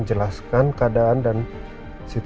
jelaskan keadaan dan situasi saat itu